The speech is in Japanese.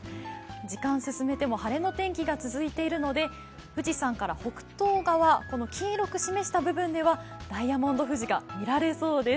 時間、進めても晴れの天気が続いていますので富士山から北東側、黄色く示した部分ではダイヤモンド富士が見られそうです。